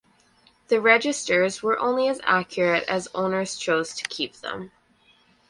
The Registers were only as accurate as owners choose to keep them.